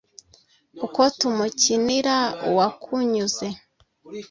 uko tumukinira uwakunyuze